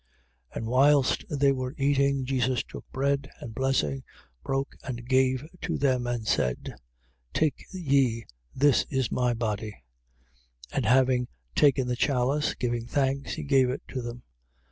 14:22. And whilst they were eating, Jesus took bread; and blessing, broke and gave to them and said: Take ye. This is my body. 14:23. And having taken the chalice, giving thanks, he gave it to them.